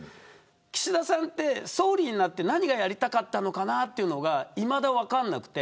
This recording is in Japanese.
岸田さんって総理になって何がやりたかったのかというのがいまだに分からなくて。